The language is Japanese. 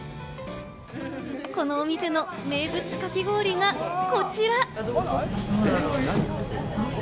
このお店の名物かき氷がこちら！